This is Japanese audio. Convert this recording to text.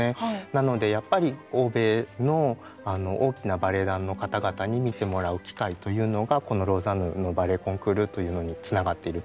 なのでやっぱり欧米の大きなバレエ団の方々に見てもらう機会というのがこのローザンヌのバレエコンクールというのにつながっていると思います。